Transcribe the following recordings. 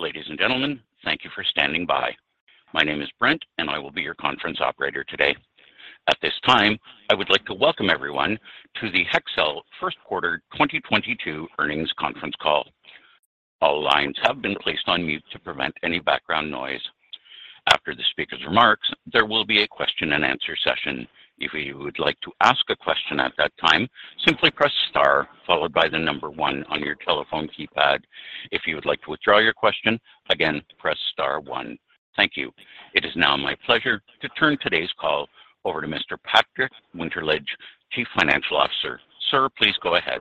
Ladies and gentlemen, thank you for standing by. My name is Brent, and I will be your conference operator today. At this time, I would like to welcome everyone to the Hexcel 1st Quarter 2022 Earnings Conference Call. All lines have been placed on mute to prevent any background noise. After the speaker's remarks, there will be a question-and-answer session. If you would like to ask a question at that time, simply press star followed by the number 1 on your telephone keypad. If you would like to withdraw your question, again, press star 1. Thank you. It is now my pleasure to turn today's call over to Mr. Patrick Winterlich, Chief Financial Officer. Sir, please go ahead.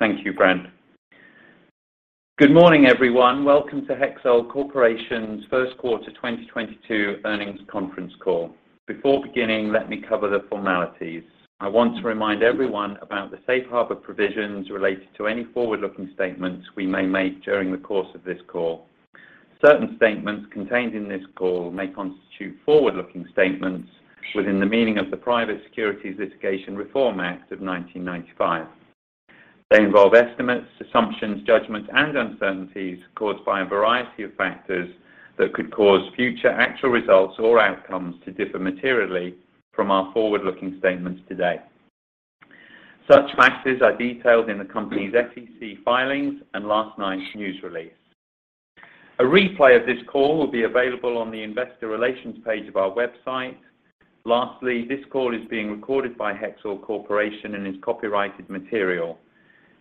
Thank you, Brent. Good morning, everyone. Welcome to Hexcel Corporation's 1st quarter 2022 Earnings Conference Call. Before beginning, let me cover the formalities. I want to remind everyone about the safe harbor provisions related to any forward-looking statements we may make during the course of this call. Certain statements contained in this call may constitute forward-looking statements within the meaning of the Private Securities Litigation Reform Act of 1995. They involve estimates, assumptions, judgments, and uncertainties caused by a variety of factors that could cause future actual results or outcomes to differ materially from our forward-looking statements today. Such factors are detailed in the company's SEC filings and last night's news release. A replay of this call will be available on the investor relations page of our website. Lastly, this call is being recorded by Hexcel Corporation and is copyrighted material.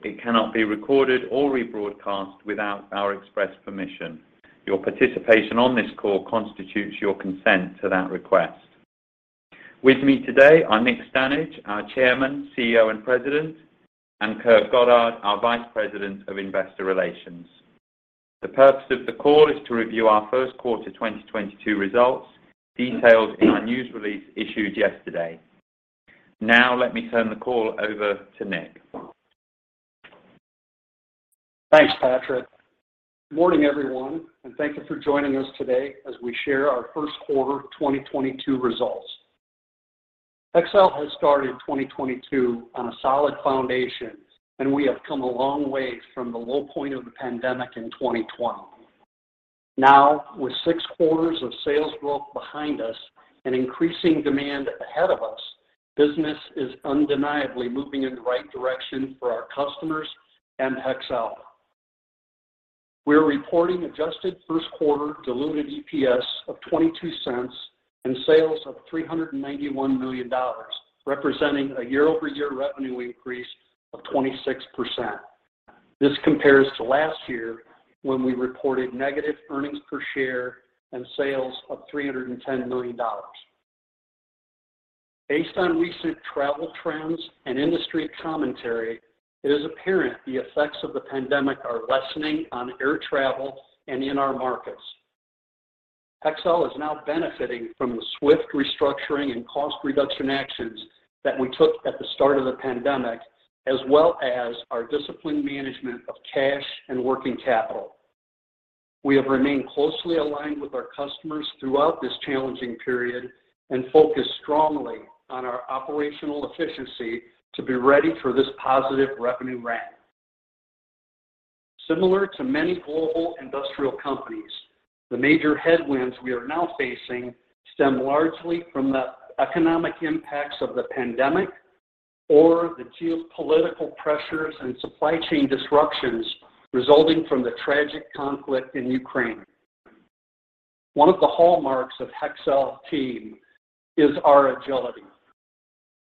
It cannot be recorded or rebroadcast without our express permission. Your participation on this call constitutes your consent to that request. With me today are Nick L. Stanage, our Chairman, CEO, and President, and Kurt Goddard, our Vice President of Investor Relations. The purpose of the call is to review our 1st quarter 2022 results detailed in our news release issued yesterday. Now let me turn the call over to Nick. Thanks, Patrick. Good morning, everyone, and thank you for joining us today as we share our 1st quarter 2022 results. Hexcel has started 2022 on a solid foundation, and we have come a long way from the low point of the pandemic in 2020. Now, with 6 quarters of sales growth behind us and increasing demand ahead of us, business is undeniably moving in the right direction for our customers and Hexcel. We are reporting adjusted 1st quarter diluted EPS of $0.22 and sales of $391 million, representing a year-over-year revenue increase of 26%. This compares to last year when we reported negative earnings per share and sales of $310 million. Based on recent travel trends and industry commentary, it is apparent the effects of the pandemic are lessening on air travel and in our markets. Hexcel is now benefiting from the swift restructuring and cost reduction actions that we took at the start of the pandemic, as well as our disciplined management of cash and working capital. We have remained closely aligned with our customers throughout this challenging period and focused strongly on our operational efficiency to be ready for this positive revenue ramp. Similar to many global industrial companies, the major headwinds we are now facing stem largely from the economic impacts of the pandemic or the geopolitical pressures and supply chain disruptions resulting from the tragic conflict in Ukraine. One of the hallmarks of Hexcel team is our agility.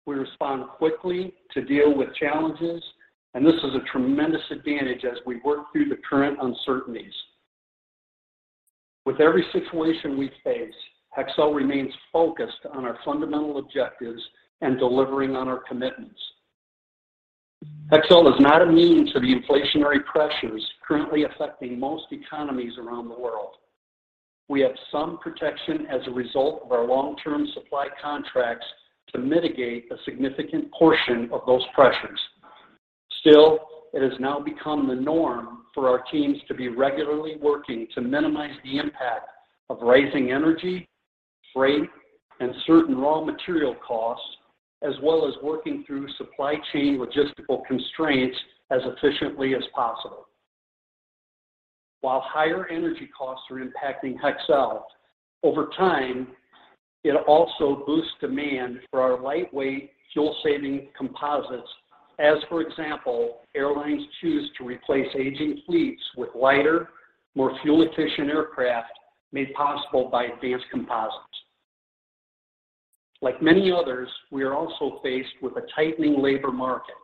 We respond quickly to deal with challenges, and this is a tremendous advantage as we work through the current uncertainties. With every situation we face, Hexcel remains focused on our fundamental objectives and delivering on our commitments. Hexcel is not immune to the inflationary pressures currently affecting most economies around the world. We have some protection as a result of our long-term supply contracts to mitigate a significant portion of those pressures. Still, it has now become the norm for our teams to be regularly working to minimize the impact of rising energy, freight, and certain raw material costs, as well as working through supply chain logistical constraints as efficiently as possible. While higher energy costs are impacting Hexcel, over time, it also boosts demand for our lightweight fuel-saving composites as, for example, airlines choose to replace aging fleets with lighter, more fuel-efficient aircraft made possible by advanced composites. Like many others, we are also faced with a tightening labor market.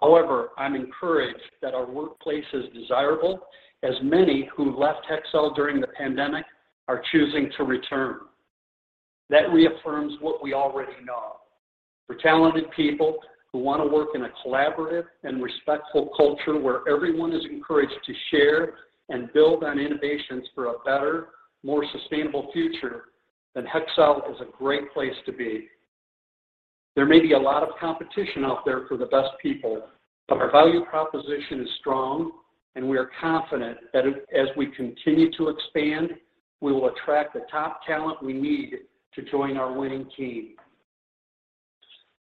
However, I'm encouraged that our workplace is desirable as many who left Hexcel during the pandemic are choosing to return. That reaffirms what we already know. For talented people who want to work in a collaborative and respectful culture where everyone is encouraged to share and build on innovations for a better, more sustainable future, then Hexcel is a great place to be. There may be a lot of competition out there for the best people, but our value proposition is strong, and we are confident that as we continue to expand, we will attract the top talent we need to join our winning team.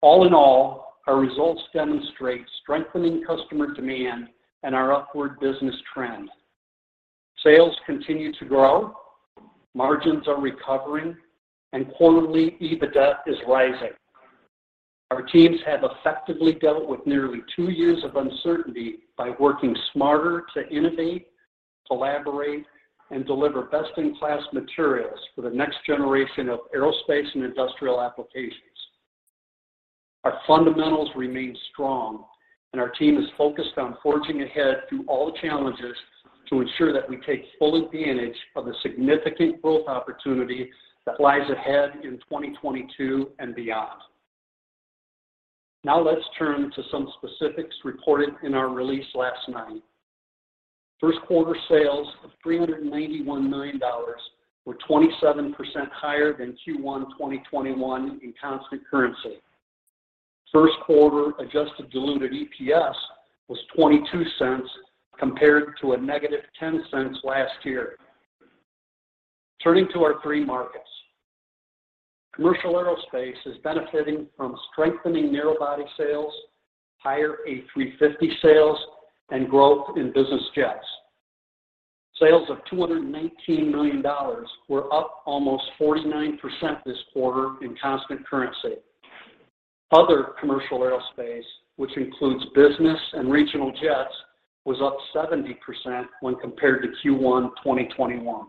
All in all, our results demonstrate strengthening customer demand and our upward business trend. Sales continue to grow, margins are recovering, and quarterly EBITDA is rising. Our teams have effectively dealt with nearly 2 years of uncertainty by working smarter to innovate, collaborate, and deliver best-in-class materials for the next generation of aerospace and industrial applications. Our fundamentals remain strong, and our team is focused on forging ahead through all the challenges to ensure that we take full advantage of the significant growth opportunity that lies ahead in 2022 and beyond. Now let's turn to some specifics reported in our release last night. 1st quarter sales of $391 million were 27% higher than Q1 2021 in constant currency. 1st quarter adjusted diluted EPS was $0.22 compared to -$0.10 last year. Turning to our 3 markets. Commercial aerospace is benefiting from strengthening narrow-body sales, higher A350 sales, and growth in business jets. Sales of $219 million were up almost 49% this quarter in constant currency. Other commercial aerospace, which includes business and regional jets, was up 70% when compared to Q1 2021.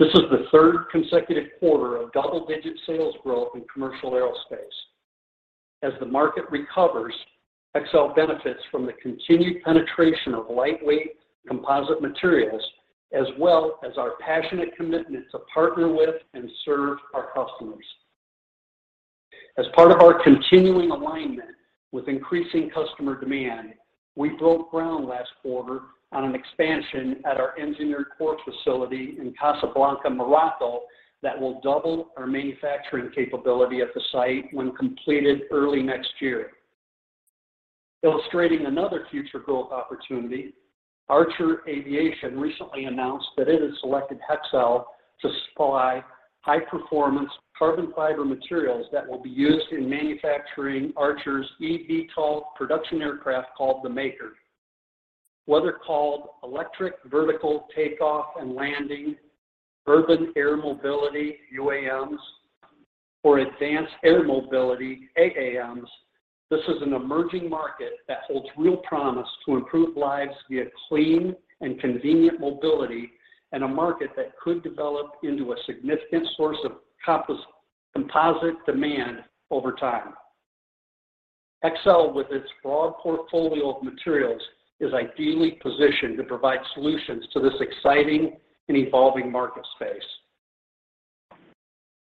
This is the 3rd consecutive quarter of double-digit sales growth in commercial aerospace. As the market recovers, Hexcel benefits from the continued penetration of lightweight composite materials, as well as our passionate commitment to partner with and serve our customers. As part of our continuing alignment with increasing customer demand, we broke ground last quarter on an expansion at our engineered core facility in Casablanca, Morocco, that will double our manufacturing capability at the site when completed early next year. Illustrating another future growth opportunity, Archer Aviation recently announced that it has selected Hexcel to supply high-performance carbon fiber materials that will be used in manufacturing Archer's EVTOL production aircraft called the Midnight. Whether called electric vertical takeoff and landing, urban air mobility, UAMs, or advanced air mobility, AAMs, this is an emerging market that holds real promise to improve lives via clean and convenient mobility and a market that could develop into a significant source of composite demand over time. Hexcel, with its broad portfolio of materials, is ideally positioned to provide solutions to this exciting and evolving market space.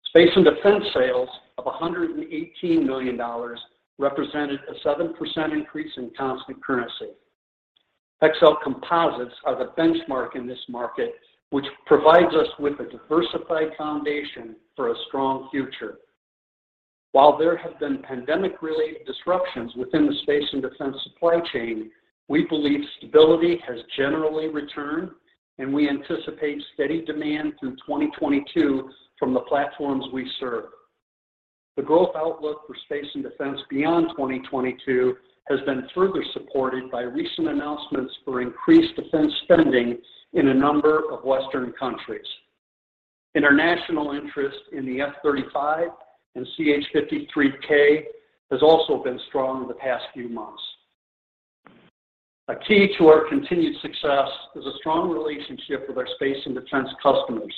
Space and defense sales of $118 million represented a 7% increase in constant currency. Hexcel composites are the benchmark in this market, which provides us with a diversified foundation for a strong future. While there have been pandemic-related disruptions within the space and defense supply chain, we believe stability has generally returned, and we anticipate steady demand through 2022 from the platforms we serve. The growth outlook for space and defense beyond 2022 has been further supported by recent announcements for increased defense spending in a number of Western countries. International interest in the F-35 and CH-53K has also been strong in the past few months. A key to our continued success is a strong relationship with our space and defense customers.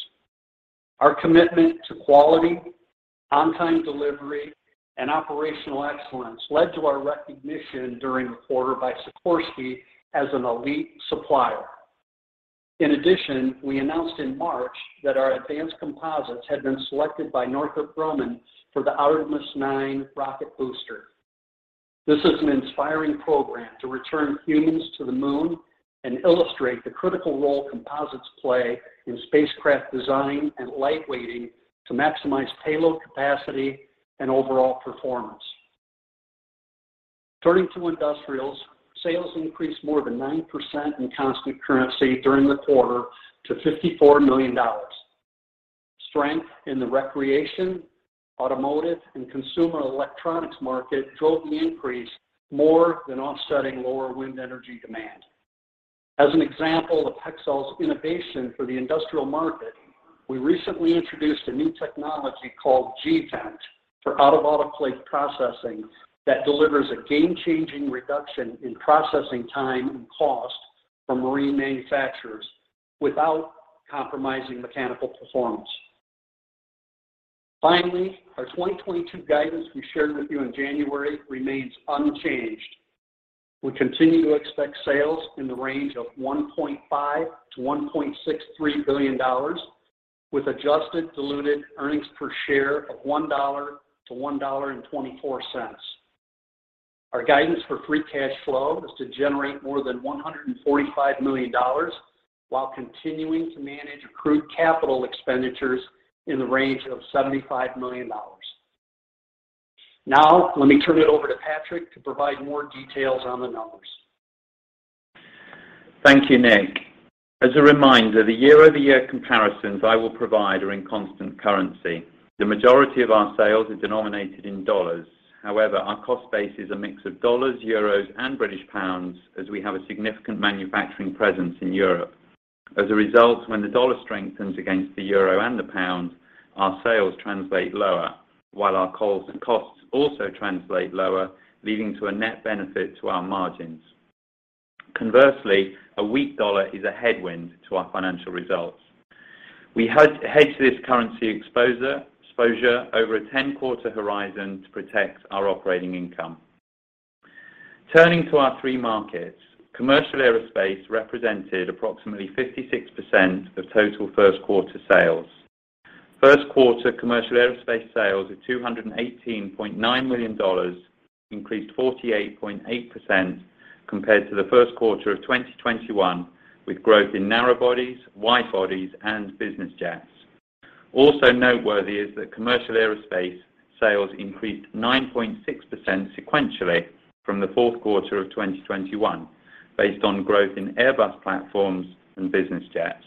Our commitment to quality, on-time delivery, and operational excellence led to our recognition during the quarter by Sikorsky as an elite supplier. In addition, we announced in March that our advanced composites had been selected by Northrop Grumman for the Artemis II rocket booster. This is an inspiring program to return humans to the moon and illustrate the critical role composites play in spacecraft design and lightweighting to maximize payload capacity and overall performance. Turning to industrials, sales increased more than 9% in constant currency during the quarter to $54 million. Strength in the recreation, automotive, and consumer electronics market drove the increase more than offsetting lower wind energy demand. As an example of Hexcel's innovation for the industrial market, we recently introduced a new technology called G-Vent for out-of-autoclave processing that delivers a game-changing reduction in processing time and cost for marine manufacturers without compromising mechanical performance. Finally, our 2022 guidance we shared with you in January remains unchanged. We continue to expect sales in the range of $1.5 billion-$1.63 billion with adjusted diluted earnings per share of $1-$1.24. Our guidance for free cash flow is to generate more than $145 million while continuing to manage our capital expenditures in the range of $75 million. Now, let me turn it over to Patrick Winterlich to provide more details on the numbers. Thank you, Nick. As a reminder, the year-over-year comparisons I will provide are in constant currency. The majority of our sales are denominated in dollars. However, our cost base is a mix of dollars, euros, and British pounds, as we have a significant manufacturing presence in Europe. As a result, when the dollar strengthens against the euro and the pound, our sales translate lower, while our costs also translate lower, leading to a net benefit to our margins. Conversely, a weak dollar is a headwind to our financial results. We hedge this currency exposure over a 10-quarter horizon to protect our operating income. Turning to our 3 markets, commercial aerospace represented approximately 56% of total 1st quarter sales. 1st quarter commercial aerospace sales of $218.9 million increased 48.8% compared to the 1st quarter of 2021, with growth in narrow bodies, wide bodies, and business jets. Also noteworthy is that commercial aerospace sales increased 9.6% sequentially from the 4th quarter of 2021 based on growth in Airbus platforms and business jets.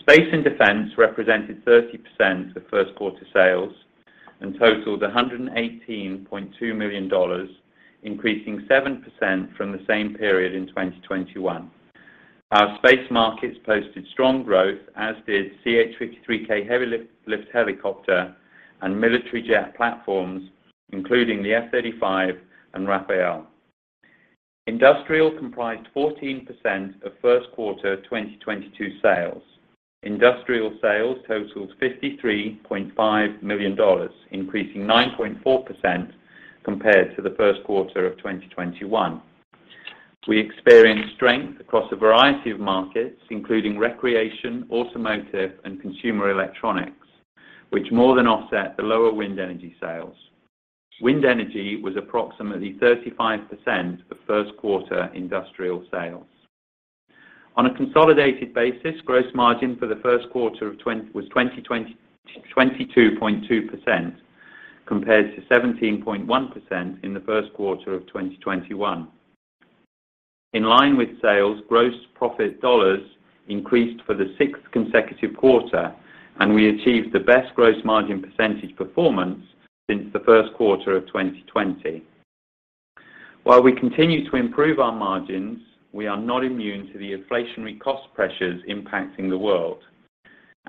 Space and defense represented 30% of 1st quarter sales and totaled $118.2 million, increasing 7% from the same period in 2021. Our space markets posted strong growth, as did CH-53K heavy lift helicopter and military jet platforms, including the F-35 and Rafale. Industrial comprised 14% of 1st quarter 2022 sales. Industrial sales totaled $53.5 million, increasing 9.4% compared to the 1st quarter of 2021. We experienced strength across a variety of markets, including recreation, automotive, and consumer electronics, which more than offset the lower wind energy sales. Wind energy was approximately 35% of 1st quarter industrial sales. On a consolidated basis, gross margin for the 1st quarter of 2022 was 22.2% compared to 17.1% in the 1st quarter of 2021. In line with sales, gross profit dollars increased for the 6th consecutive quarter, and we achieved the best gross margin percentage performance since the 1st quarter of 2020. While we continue to improve our margins, we are not immune to the inflationary cost pressures impacting the world.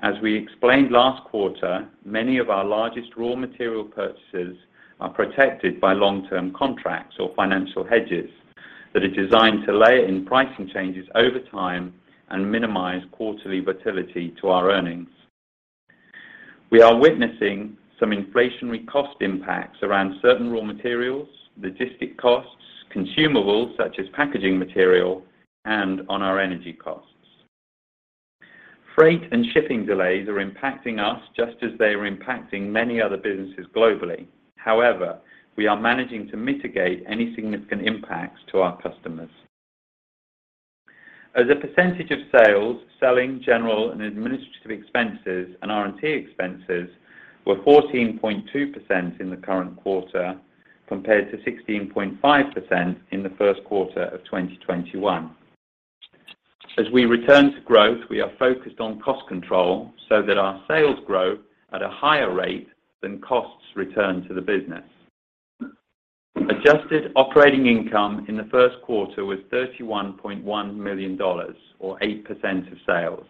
As we explained last quarter, many of our largest raw material purchases are protected by long-term contracts or financial hedges that are designed to layer in pricing changes over time and minimize quarterly volatility to our earnings. We are witnessing some inflationary cost impacts around certain raw materials, logistic costs, consumables such as packaging material, and on our energy costs. Freight and shipping delays are impacting us just as they are impacting many other businesses globally. However, we are managing to mitigate any significant impacts to our customers. As a percentage of sales, selling, general, and administrative expenses and R&T expenses were 14.2% in the current quarter compared to 16.5% in the 1st quarter of 2021. As we return to growth, we are focused on cost control so that our sales grow at a higher rate than costs return to the business. Adjusted operating income in the 1st quarter was $31.1 million or 8% of sales.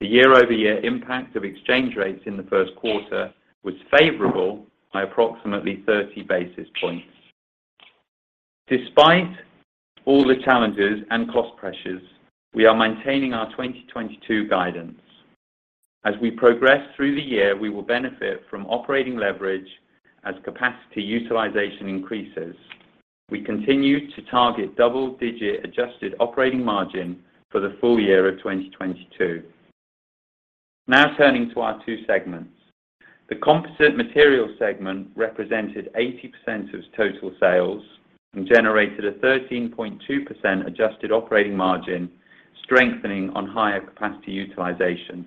The year-over-year impact of exchange rates in the 1st quarter was favorable by approximately 30 basis points. Despite all the challenges and cost pressures, we are maintaining our 2022 guidance. As we progress through the year, we will benefit from operating leverage as capacity utilization increases. We continue to target double-digit adjusted operating margin for the full year of 2022. Now turning to our 2 segments. The Composite Materials segment represented 80% of total sales and generated a 13.2% adjusted operating margin, strengthening on higher capacity utilization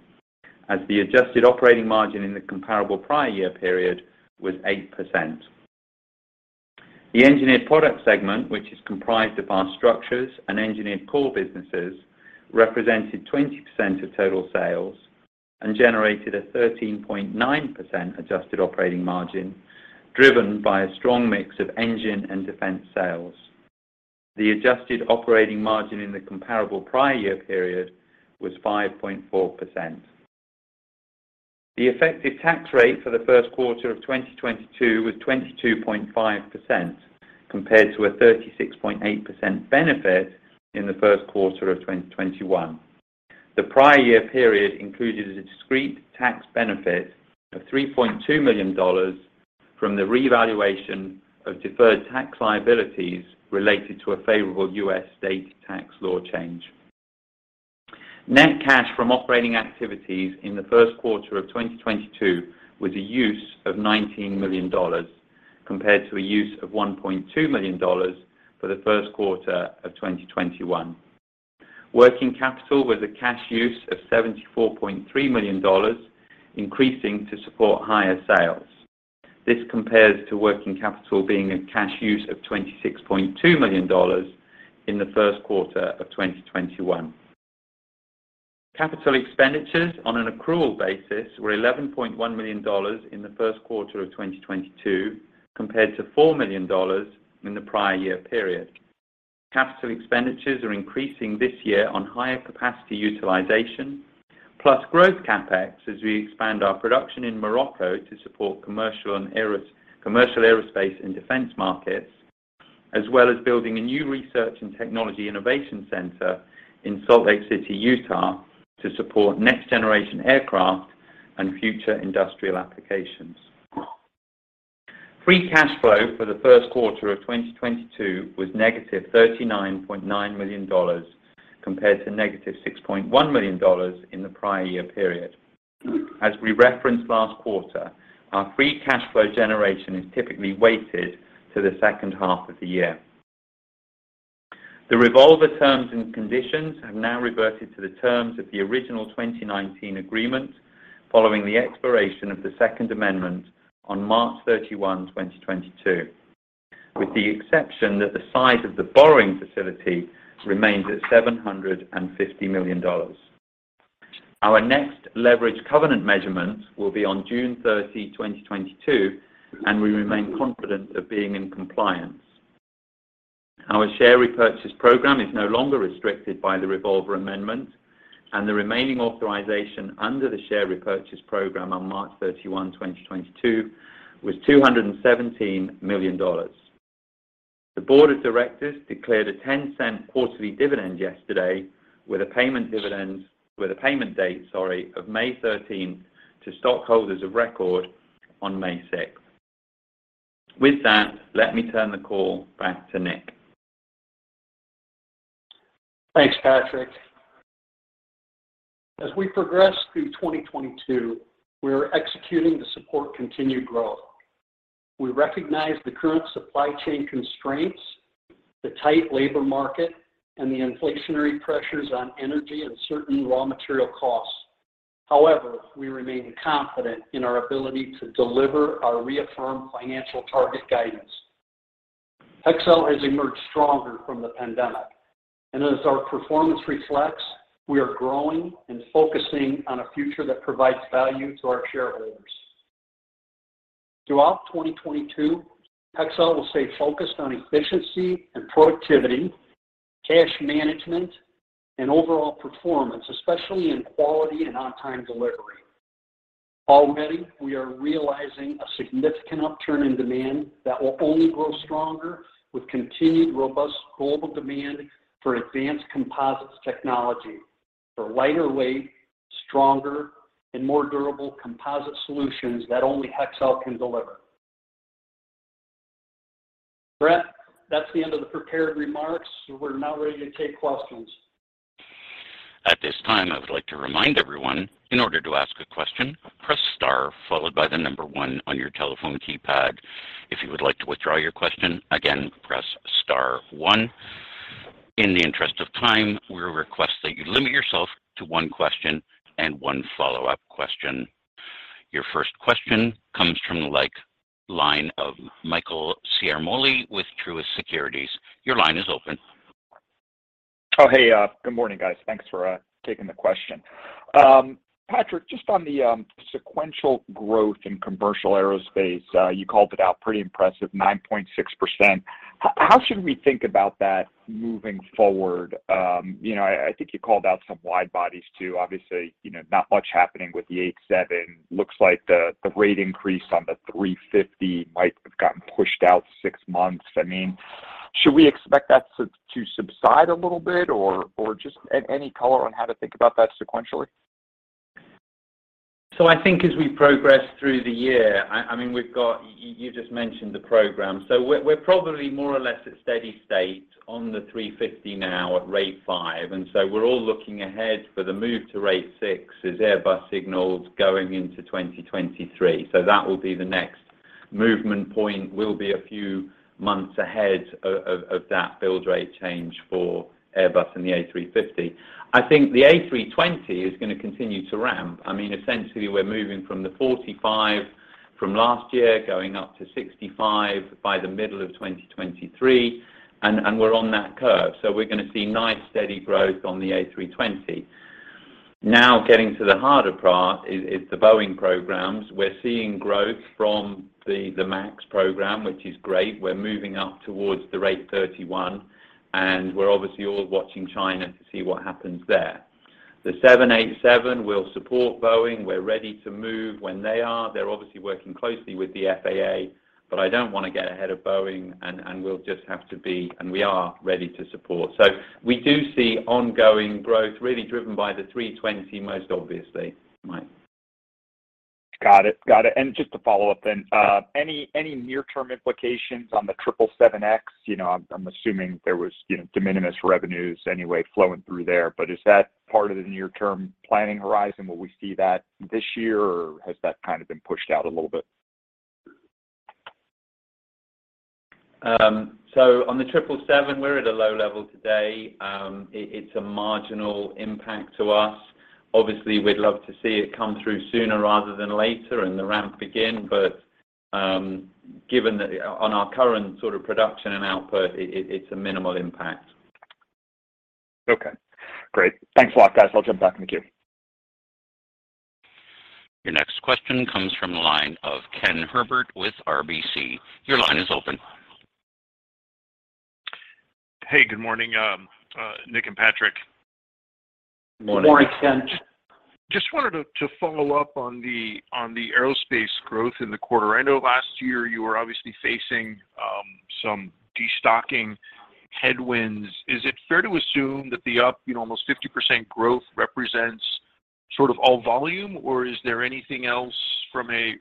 as the adjusted operating margin in the comparable prior year period was 8%. The Engineered Products segment, which is comprised of our structures and Engineered Core businesses, represented 20% of total sales and generated a 13.9% adjusted operating margin, driven by a strong mix of engine and defense sales. The adjusted operating margin in the comparable prior year period was 5.4%. The effective tax rate for the 1st quarter of 2022 was 22.5% compared to a 36.8% benefit in the 1st quarter of 2021. The prior year period included a discrete tax benefit of $3.2 million from the revaluation of deferred tax liabilities related to a favorable U.S. state tax law change. Net cash from operating activities in the 1st quarter of 2022 was a use of $19 million compared to a use of $1.2 million for the 1st quarter of 2021. Working capital was a cash use of $74.3 million, increasing to support higher sales. This compares to working capital being a cash use of $26.2 million in the 1st quarter of 2021. Capital expenditures on an accrual basis were $11.1 million in the 1st quarter of 2022, compared to $4 million in the prior year period. Capital expenditures are increasing this year on higher capacity utilization, plus growth CapEx as we expand our production in Morocco to support commercial aerospace and defense markets, as well as building a new Research and Technology innovation center in Salt Lake City, Utah, to support next-generation aircraft and future industrial applications. Free cash flow for the 1st quarter of 2022 was negative $39.9 million, compared to negative $6.1 million in the prior year period. As we referenced last quarter, our free cash flow generation is typically weighted to the second half of the year. The revolver terms and conditions have now reverted to the terms of the original 2019 agreement following the expiration of the second amendment on March 31, 2022, with the exception that the size of the borrowing facility remains at $750 million. Our next leverage covenant measurement will be on June 30, 2022, and we remain confident of being in compliance. Our share repurchase program is no longer restricted by the revolver amendment, and the remaining authorization under the share repurchase program on March 31, 2022, was $217 million. The board of directors declared a $0.10 quarterly dividend yesterday with a payment date, sorry, of May 13 to stockholders of record on May 6. With that, let me turn the call back to Nick. Thanks, Patrick. As we progress through 2022, we are executing to support continued growth. We recognize the current supply chain constraints, the tight labor market, and the inflationary pressures on energy and certain raw material costs. However, we remain confident in our ability to deliver our reaffirmed financial target guidance. Hexcel has emerged stronger from the pandemic, and as our performance reflects, we are growing and focusing on a future that provides value to our shareholders. Throughout 2022, Hexcel will stay focused on efficiency and productivity, cash management, and overall performance, especially in quality and on-time delivery. Already, we are realizing a significant upturn in demand that will only grow stronger with continued robust global demand for advanced composites technology for lighter weight, stronger, and more durable composite solutions that only Hexcel can deliver. Brent, that's the end of the prepared remarks. We're now ready to take questions. At this time, I would like to remind everyone, in order to ask a question, press star followed by the number 1 on your telephone keypad. If you would like to withdraw your question, again, press star 1. In the interest of time, we request that you limit yourself to 1 question and one follow-up question. Your first question comes from the line of Michael Ciarmoli with Truist Securities. Your line is open. Oh, hey, good morning, guys. Thanks for taking the question. Patrick, just on the sequential growth in commercial aerospace, you called it out pretty impressive, 9.6%. How should we think about that moving forward? You know, I think you called out some wide bodies, too. Obviously, you know, not much happening with the 787. Looks like the rate increase on the A350 might have gotten pushed out 6 months. I mean, should we expect that to subside a little bit or just any color on how to think about that sequentially? I think as we progress through the year, I mean, we've got, you just mentioned the program. We're probably more or less at steady state on the A350 now at rate 5. We're all looking ahead for the move to rate 6 as Airbus signals going into 2023. That will be the next movement point, will be a few months ahead of that build rate change for Airbus and the A350. I think the A320 is gonna continue to ramp. I mean, essentially we're moving from the 45 from last year, going up to 65 by the middle of 2023, and we're on that curve. We're gonna see nice steady growth on the A320. Now, getting to the harder part is the Boeing programs. We're seeing growth from the MAX program, which is great. We're moving up towards the rate 31, and we're obviously all watching China to see what happens there. The 787 will support Boeing. We're ready to move when they are. They're obviously working closely with the FAA, but I don't want to get ahead of Boeing, and we'll just have to be, and we are ready to support. We do see ongoing growth really driven by the A320, most obviously, Mike. Got it. Just to follow up then, any near-term implications on the 777X? You know, I'm assuming there was, you know, de minimis revenues anyway flowing through there, but is that part of the near-term planning horizon? Will we see that this year, or has that kind of been pushed out a little bit? On the 777, we're at a low level today. It's a marginal impact to us. Obviously, we'd love to see it come through sooner rather than later and the ramp begin. Given that on our current sort of production and output, it's a minimal impact. Okay, great. Thanks a lot, guys. I'll jump back in the queue. Your next question comes from the line of Ken Herbert with RBC. Your line is open. Hey, good morning, Nick and Patrick. Morning. Morning, Ken. Just wanted to follow up on the aerospace growth in the quarter. I know last year you were obviously facing some destocking headwinds. Is it fair to assume that the up, you know, almost 50% growth represents sort of all volume, or is there anything else from a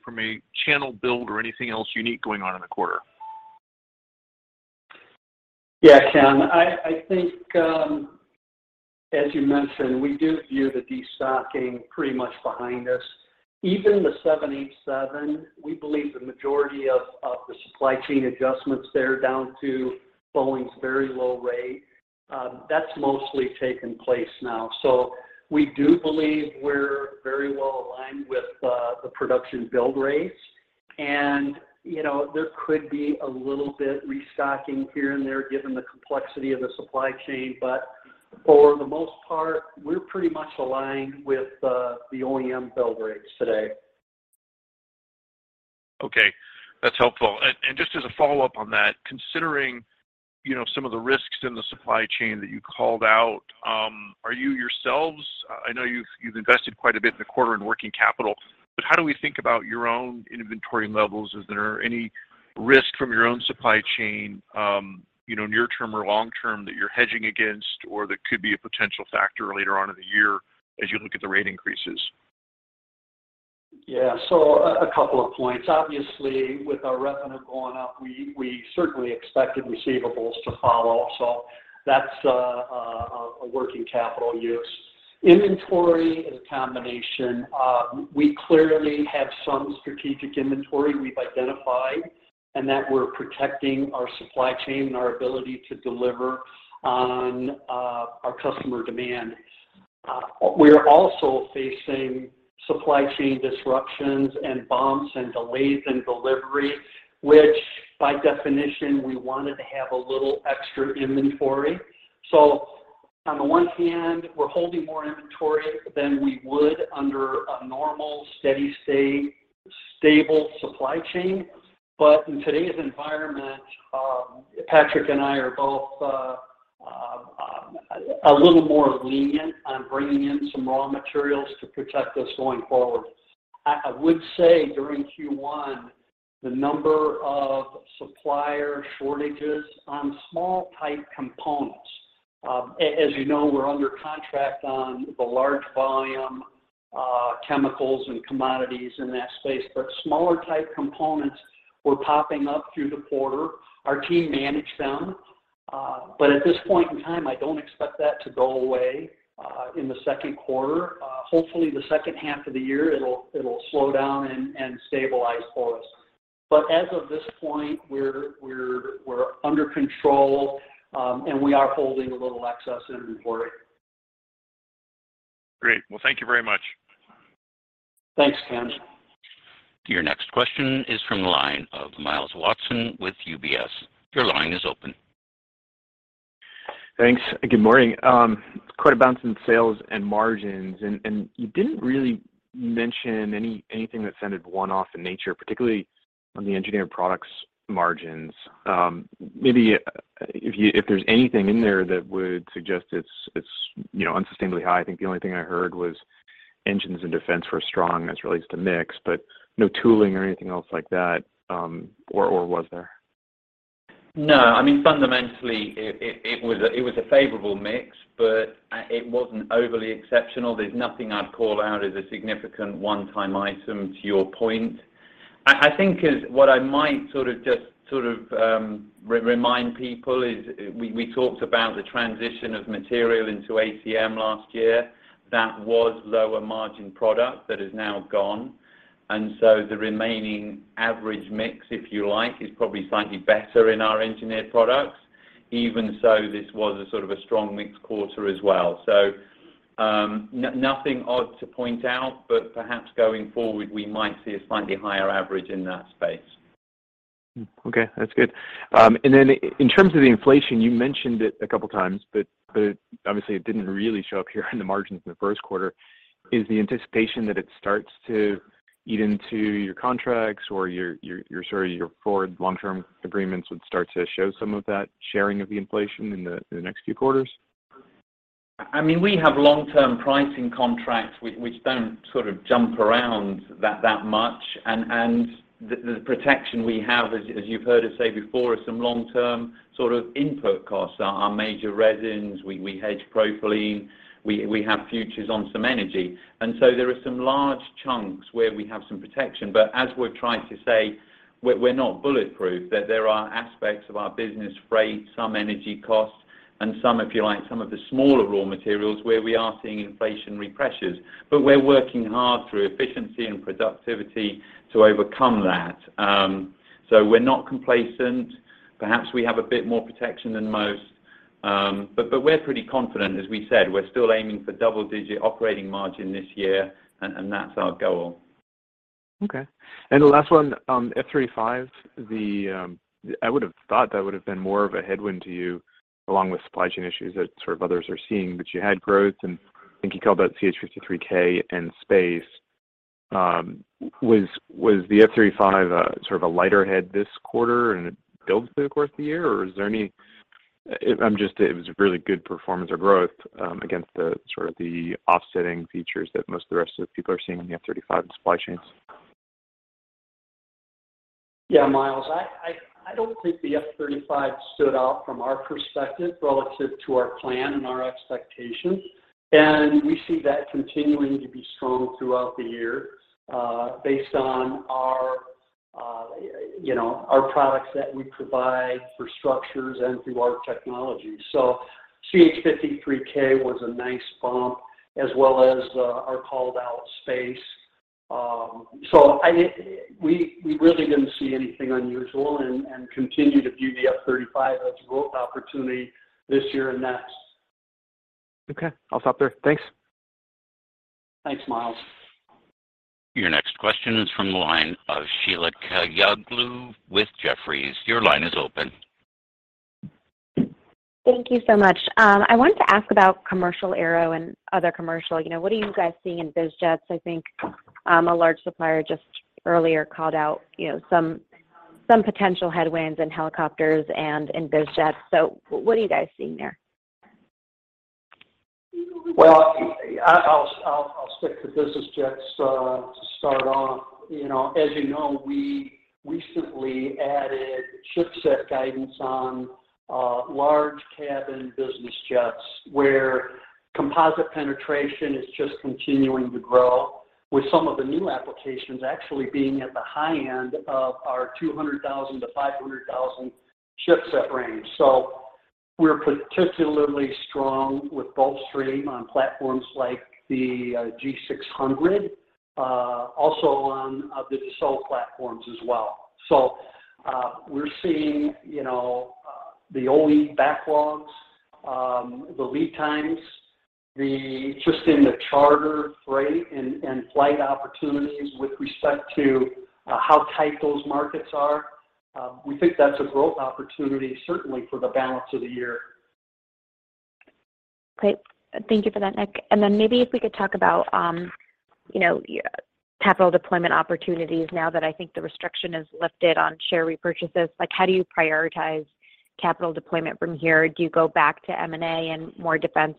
channel build or anything else unique going on in the quarter? Yeah, Ken, I think, as you mentioned, we do view the destocking pretty much behind us. Even the 787, we believe the majority of the supply chain adjustments there down to Boeing's very low rate, that's mostly taken place now. We do believe we're very well aligned with the production build rates. You know, there could be a little bit restocking here and there given the complexity of the supply chain, but for the most part, we're pretty much aligned with the OEM build rates today. Okay. That's helpful. Just as a follow-up on that, considering, you know, some of the risks in the supply chain that you called out, are you yourselves? I know you've invested quite a bit in the quarter in working capital, but how do we think about your own inventory levels? Is there any risk from your own supply chain, you know, near term or long term that you're hedging against or that could be a potential factor later on in the year as you look at the rate increases? A couple of points. Obviously, with our revenue going up, we certainly expected receivables to follow. That's a working capital use. Inventory is a combination. We clearly have some strategic inventory we've identified, and that we're protecting our supply chain and our ability to deliver on our customer demand. We're also facing supply chain disruptions and bumps and delays in delivery, which by definition, we wanted to have a little extra inventory. On the one hand, we're holding more inventory than we would under a normal, steady-state, stable supply chain. In today's environment, Patrick and I are both a little more lenient on bringing in some raw materials to protect us going forward. I would say during Q1, the number of supplier shortages on small-type components, as you know, we're under contract on the large volume, chemicals and commodities in that space. Smaller type components were popping up through the quarter. Our team managed them. At this point in time, I don't expect that to go away in the 2nd quarter. Hopefully the second half of the year it'll slow down and stabilize for us. As of this point, we're under control, and we are holding a little excess inventory. Great. Well, thank you very much. Thanks, Ken. Your next question is from the line of Myles Walton with UBS. Your line is open. Thanks. Good morning. Quite a bounce in sales and margins, and you didn't really mention anything that sounded one-off in nature, particularly on the Engineered Products margins. Maybe if there's anything in there that would suggest it's you know, unsustainably high. I think the only thing I heard was engines and defense were strong as it relates to mix, but no tooling or anything else like that, or was there? No, I mean, fundamentally, it was a favorable mix, but it wasn't overly exceptional. There's nothing I'd call out as a significant one-time item to your point. I think what I might sort of just remind people is we talked about the transition of material into ACM last year. That was lower margin product that is now gone. The remaining average mix, if you like, is probably slightly better in our Engineered Products. Even so, this was a sort of a strong mixed quarter as well. Nothing odd to point out, but perhaps going forward, we might see a slightly higher average in that space. Okay, that's good. In terms of the inflation, you mentioned it a couple times, but obviously it didn't really show up here in the margins in the 1st quarter. Is the anticipation that it starts to eat into your contracts or your sort of your forward long-term agreements would start to show some of that sharing of the inflation in the next few quarters? I mean, we have long-term pricing contracts which don't sort of jump around that much. the protection we have, as you've heard us say before, are some long-term sort of input costs. Our major resins, we hedge propylene, we have futures on some energy. There are some large chunks where we have some protection. But as we're trying to say, we're not bulletproof, that there are aspects of our business, freight, some energy cost Some, if you like, some of the smaller raw materials where we are seeing inflationary pressures. We're working hard through efficiency and productivity to overcome that. We're not complacent. Perhaps we have a bit more protection than most, but we're pretty confident. As we said, we're still aiming for double digit operating margin this year, and that's our goal. Okay. The last one, F-35, I would have thought that would have been more of a headwind to you along with supply chain issues that sort of others are seeing. You had growth, and I think you called out CH-53K and space. Was the F-35 a sort of a lighter head this quarter and it builds through the course of the year, or is there any? It was a really good performance or growth against the sort of the offsetting features that most of the rest of the people are seeing in the F-35 supply chains. Yeah, Myles, I don't think the F-35 stood out from our perspective relative to our plan and our expectations. We see that continuing to be strong throughout the year, based on our, you know, our products that we provide for structures and through our technology. CH-53K was a nice bump as well as our called-out space. We really didn't see anything unusual and continue to view the F-35 as a growth opportunity this year and next. Okay. I'll stop there. Thanks. Thanks, Myles. Your next question is from the line of Sheila Kahyaoglu with Jefferies. Your line is open. Thank you so much. I wanted to ask about commercial aero and other commercial. You know, what are you guys seeing in biz jets? I think, a large supplier just earlier called out, you know, some potential headwinds in helicopters and in biz jets. What are you guys seeing there? Well, I'll stick to business jets to start off. You know, as you know, we recently added ship set guidance on large cabin business jets, where composite penetration is just continuing to grow, with some of the new applications actually being at the high end of our 200,000-500,000 ship set range. We're particularly strong with both Gulfstream platforms like the G600, also on the Dassault platforms as well. We're seeing, you know, the OE backlogs, the lead times, the interest in the charter rate and flight opportunities with respect to how tight those markets are. We think that's a growth opportunity certainly for the balance of the year. Great. Thank you for that, Nick. Maybe if we could talk about capital deployment opportunities now that I think the restriction is lifted on share repurchases. Like, how do you prioritize capital deployment from here? Do you go back to M&A and more defense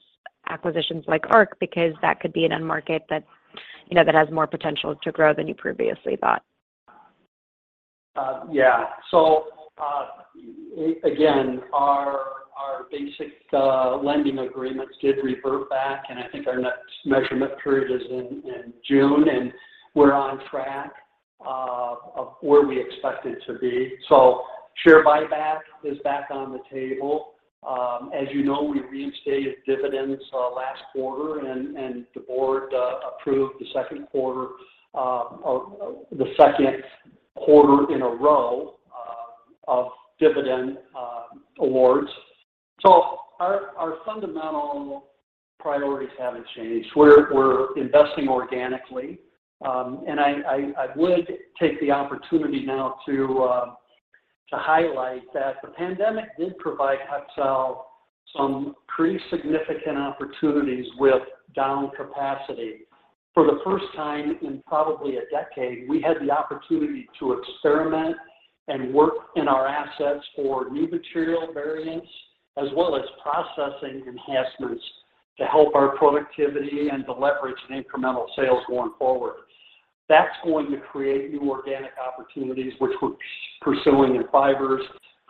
acquisitions like ARC? Because that could be an end market that has more potential to grow than you previously thought. Yeah. Again, our basic lending agreements did revert back, and I think our next measurement period is in June, and we're on track of where we expect it to be. Share buyback is back on the table. As you know, we reinstated dividends last quarter and the board approved the 2nd quarter in a row of dividend awards. Our fundamental priorities haven't changed. We're investing organically, and I would take the opportunity now to highlight that the pandemic did provide Hexcel some pretty significant opportunities with down capacity. For the first time in probably a decade, we had the opportunity to experiment and work in our assets for new material variants as well as processing enhancements to help our productivity and to leverage in incremental sales going forward. That's going to create new organic opportunities, which we're pursuing in fibers,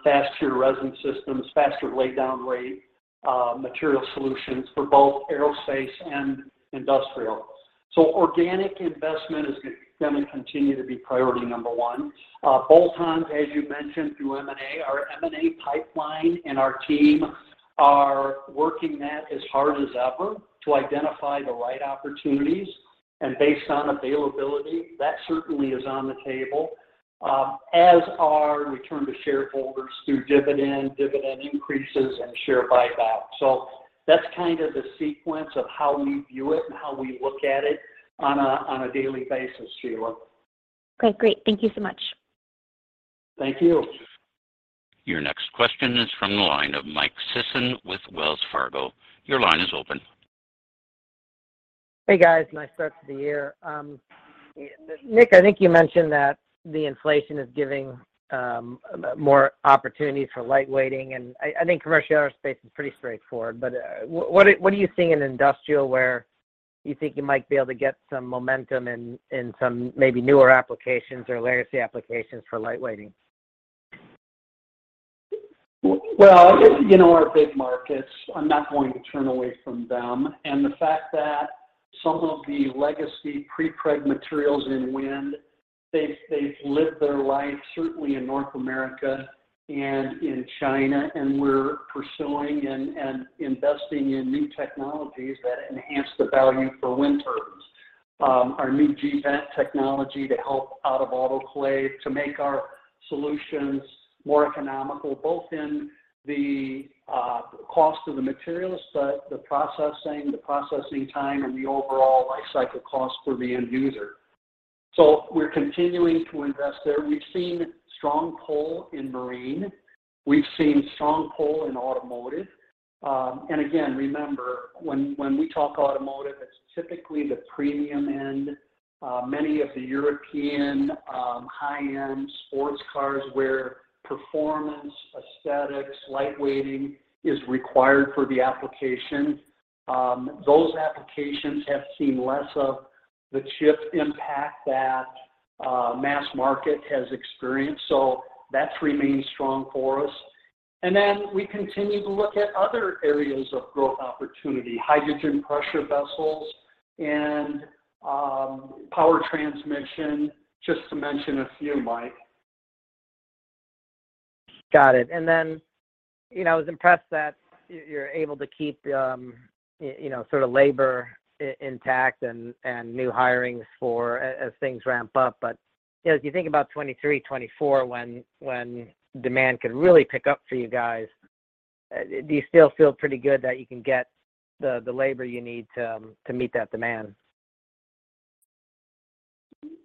faster resin systems, faster lay down rate, material solutions for both aerospace and industrial. Organic investment is gonna continue to be priority number one. Bolt-ons, as you mentioned, through M&A. Our M&A pipeline and our team are working that as hard as ever to identify the right opportunities. Based on availability, that certainly is on the table, as our return to shareholders through dividend increases and share buyback. That's kind of the sequence of how we view it and how we look at it on a daily basis, Sheila. Okay. Great. Thank you so much. Thank you. Your next question is from the line of Mike Sison with Wells Fargo. Your line is open. Hey, guys. Nice start to the year. Nick, I think you mentioned that the inflation is giving more opportunities for lightweighting, and I think commercial aerospace is pretty straightforward. What are you seeing in industrial where you think you might be able to get some momentum in some maybe newer applications or legacy applications for lightweighting? Well, you know our big markets, I'm not going to turn away from them. The fact that some of the legacy prepreg materials in wind. They've lived their life, certainly in North America and in China, and we're pursuing and investing in new technologies that enhance the value for wind turbines. Our new G-Vent technology to help out-of-autoclave to make our solutions more economical, both in the cost of the materials, but the processing time, and the overall life cycle cost for the end user. We're continuing to invest there. We've seen strong pull in marine. We've seen strong pull in automotive. Again, remember, when we talk automotive, it's typically the premium end. Many of the European high-end sports cars where performance, aesthetics, light weighting is required for the application. Those applications have seen less of the chip impact that mass market has experienced. That's remained strong for us. We continue to look at other areas of growth opportunity, hydrogen pressure vessels and power transmission, just to mention a few, Mike. Got it. Then, you know, I was impressed that you're able to keep, you know, sort of labor intact and new hirings for as things ramp up. You know, as you think about 2023, 2024 when demand could really pick up for you guys, do you still feel pretty good that you can get the labor you need to meet that demand?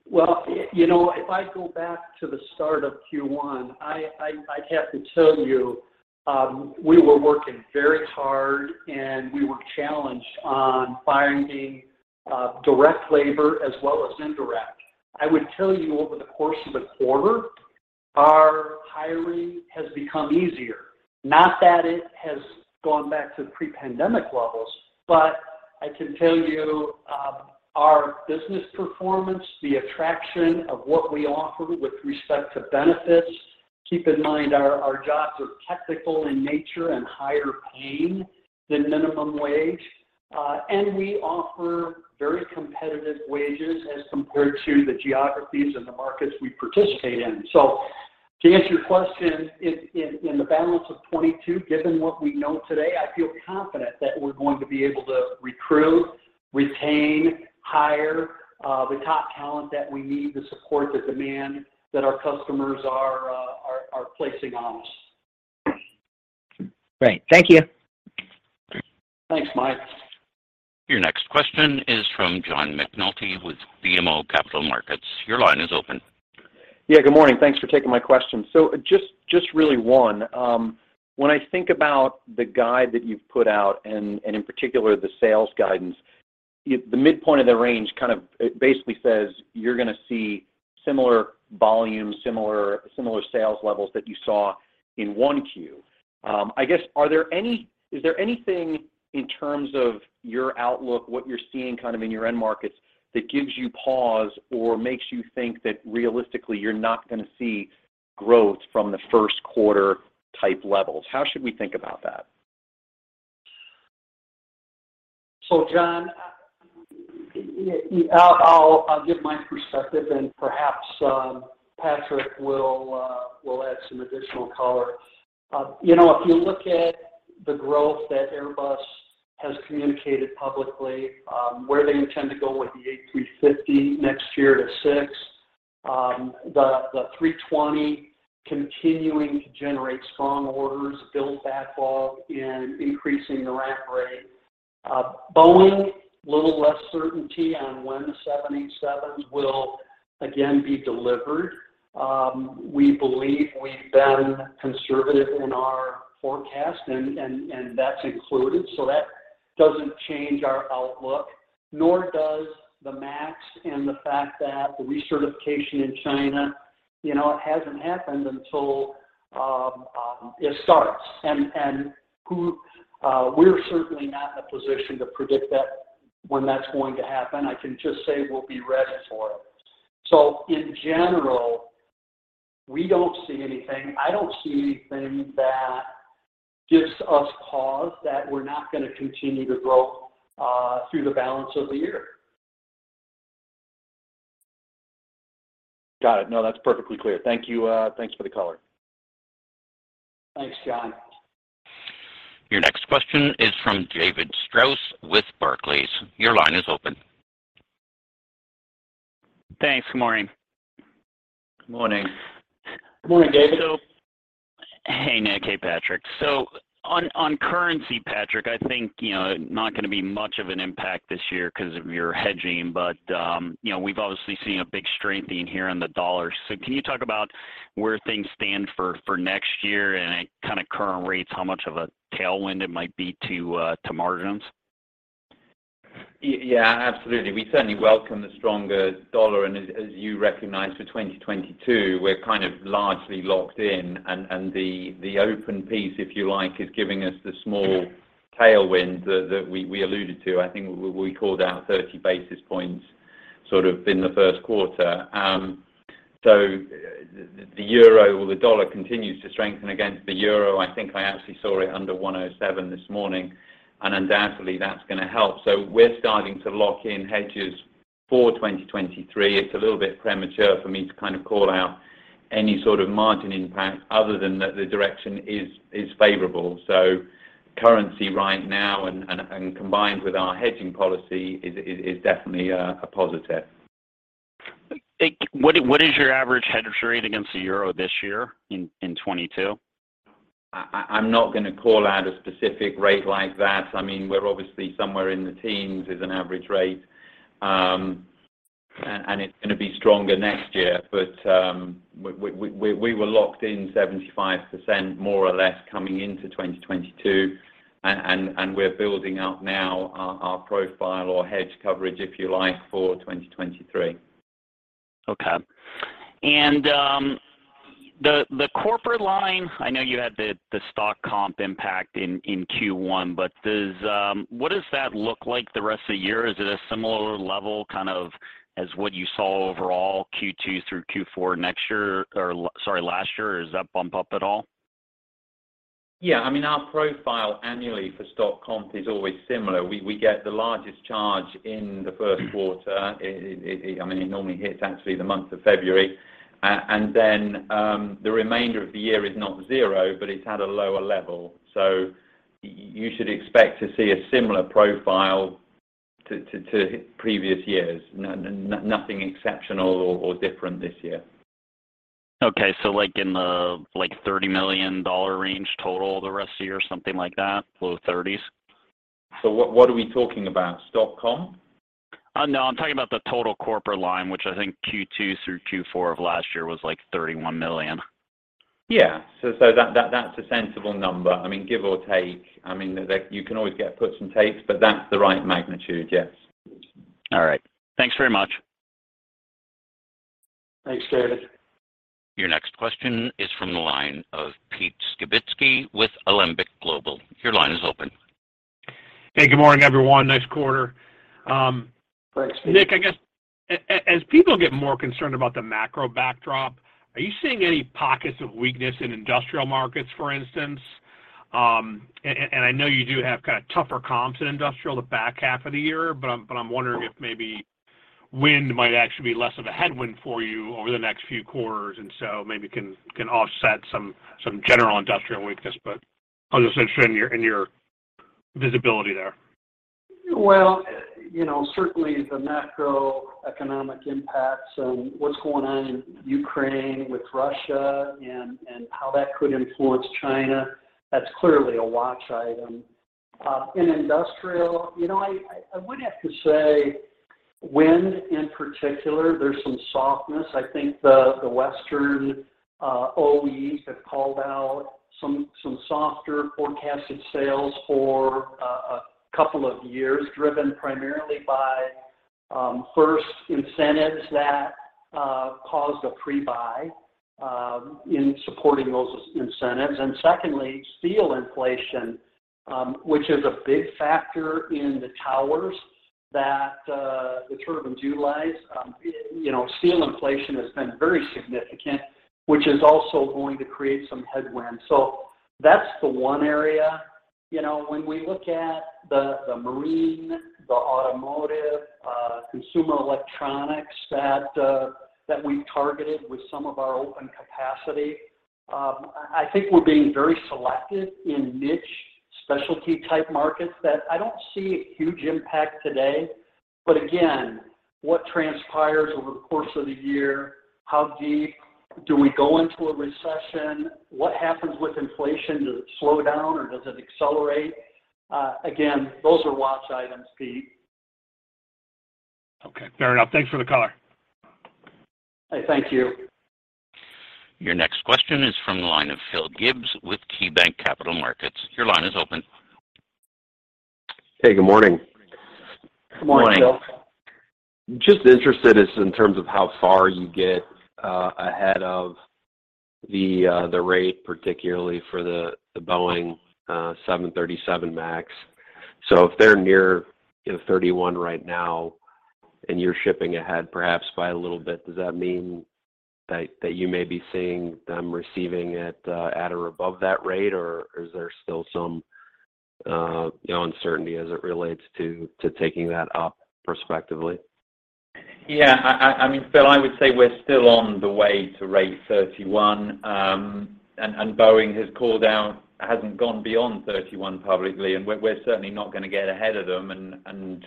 Well, you know, if I go back to the start of Q1, I'd have to tell you, we were working very hard, and we were challenged on finding direct labor as well as indirect. I would tell you, over the course of the quarter, our hiring has become easier. Not that it has gone back to pre-pandemic levels, but I can tell you, our business performance, the attraction of what we offer with respect to benefits, keep in mind our jobs are technical in nature and higher paying than minimum wage. We offer very competitive wages as compared to the geographies and the markets we participate in. To answer your question, in the balance of 2022, given what we know today, I feel confident that we're going to be able to recruit, retain, hire, the top talent that we need to support the demand that our customers are placing on us. Great. Thank you. Thanks, Mike. Your next question is from John McNulty with BMO Capital Markets. Your line is open. Yeah, good morning. Thanks for taking my question. Just really one. When I think about the guide that you've put out and in particular the sales guidance, the midpoint of the range kind of, it basically says you're gonna see similar volume, similar sales levels that you saw in 1Q. I guess, is there anything in terms of your outlook, what you're seeing kind of in your end markets that gives you pause or makes you think that realistically you're not gonna see growth from the 1st quarter type levels? How should we think about that? John, I'll give my perspective and perhaps Patrick will add some additional color. You know, if you look at the growth that Airbus has communicated publicly, where they intend to go with the A350 next year to 6. The A320 continuing to generate strong orders, build backlog, and increasing the ramp rate. Boeing, little less certainty on when the 777X will again be delivered. We believe we've been conservative in our forecast and that's included. That doesn't change our outlook, nor does the 737 MAX and the fact that the recertification in China, you know, it hasn't happened until it starts. We're certainly not in a position to predict that, when that's going to happen. I can just say we'll be ready for it. In general, we don't see anything. I don't see anything that gives us pause that we're not gonna continue to grow through the balance of the year. Got it. No, that's perfectly clear. Thank you. Thanks for the color. Thanks, John. Your next question is from David Strauss with Barclays. Your line is open. Thanks. Good morning. Good morning. Good morning, David. Hey, Nick. Hey, Patrick. On currency, Patrick, I think, you know, not gonna be much of an impact this year because of your hedging, but, you know, we've obviously seen a big strengthening here on the dollar. Can you talk about where things stand for next year and at kinda current rates, how much of a tailwind it might be to margins? Yeah, absolutely. We certainly welcome the stronger dollar, and as you recognize for 2022, we're kind of largely locked in and the open piece, if you like, is giving us the small tailwind that we alluded to. I think we called out 30 basis points sort of in the 1st quarter. The dollar continues to strengthen against the euro. I think I actually saw it under 1.07 this morning, and undoubtedly that's gonna help. We're starting to lock in hedges for 2023. It's a little bit premature for me to kind of call out any sort of margin impact other than that the direction is favorable. Currency right now and combined with our hedging policy is definitely a positive. What is your average hedge rate against the euro this year in 2022? I'm not gonna call out a specific rate like that. I mean, we're obviously somewhere in the teens as an average rate, and it's gonna be stronger next year. We were locked in 75% more or less coming into 2022, and we're building out now our profile or hedge coverage, if you like, for 2023. Okay. The corporate line, I know you had the stock comp impact in Q1, but what does that look like the rest of the year? Is it a similar level kind of as what you saw overall Q2 through Q4 last year, or does that bump up at all? Yeah. I mean, our profile annually for stock comp is always similar. We get the largest charge in the 1st quarter. It, I mean, it normally hits actually the month of February. The remainder of the year is not 0, but it's at a lower level. You should expect to see a similar profile to previous years. Nothing exceptional or different this year. Okay. Like in the, like $30 million range total the rest of the year, something like that? Low 30s? What are we talking about? Stock comp? No, I'm talking about the total corporate line, which I think Q2 through Q4 of last year was, like, $31 million. Yeah. That's a sensible number. I mean, give or take. I mean, you can always get puts and takes, but that's the right magnitude, yes. All right. Thanks very much. Thanks, David. Your next question is from the line of Pete Skibitski with Alembic Global. Your line is open. Hey, good morning, everyone. Nice quarter. Thanks, Pete. Nick, I guess as people get more concerned about the macro backdrop, are you seeing any pockets of weakness in industrial markets, for instance? I know you do have kinda tougher comps in industrial the back half of the year, but I'm wondering if maybe wind might actually be less of a headwind for you over the next few quarters, and so maybe can offset some general industrial weakness. I'm just interested in your visibility there. Well, you know, certainly the macroeconomic impacts and what's going on in Ukraine with Russia and how that could influence China, that's clearly a watch item. In industrial, you know, I would have to say wind in particular, there's some softness. I think the Western OEs have called out some softer forecasted sales for a couple of years, driven primarily by first incentives that caused a pre-buy in supporting those incentives. Secondly, steel inflation, which is a big factor in the towers that the turbines utilize. You know, steel inflation has been very significant, which is also going to create some headwind. That's the one area. You know, when we look at the marine, the automotive, consumer electronics that we've targeted with some of our open capacity, I think we're being very selective in niche specialty type markets that I don't see a huge impact today. Again, what transpires over the course of the year? How deep do we go into a recession? What happens with inflation? Does it slow down, or does it accelerate? Again, those are watch items, Pete. Okay. Fair enough. Thanks for the color. Hey, thank you. Your next question is from the line of Philip Gibbs with KeyBanc Capital Markets. Your line is open. Hey, good morning. Good morning, Philip. Just interested in terms of how far you get ahead of the rate, particularly for the Boeing 737 MAX. If they're near 31 right now, and you're shipping ahead perhaps by a little bit, does that mean that you may be seeing them receiving it at or above that rate, or is there still some uncertainty as it relates to taking that up prospectively? Yeah. I mean, Philip, I would say we're still on the way to rate 31, and Boeing has called out, hasn't gone beyond 31 publicly, and we're certainly not gonna get ahead of them and.